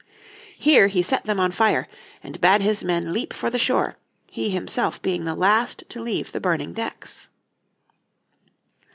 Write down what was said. Here he set them on fire, and bade his men leap for the shore, he himself being the last to leave the burning decks.